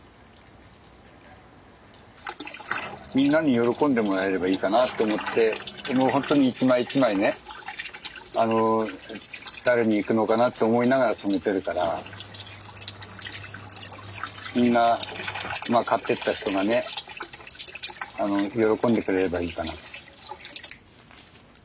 みんなに喜んでもらえればいいかなって思って基本ほんとに一枚一枚ね誰に行くのかなって思いながら染めてるからみんな買ってった人がね喜んでくれればいいかなと。